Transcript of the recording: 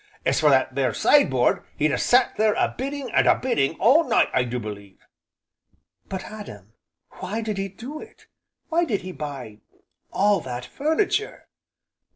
As for that there sideboard he'd a sat there a bidding and a bidding all night I do believe." "But, Adam, why did he do it! Why did he buy all that furniture?"